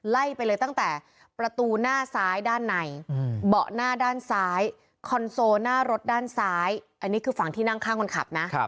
ไล่ไปเลยตั้งแต่ประตูหน้าซ้ายด้านในเบาะหน้าด้านซ้ายคอนโซลหน้ารถด้านซ้ายอันนี้คือฝั่งที่นั่งข้างคนขับนะ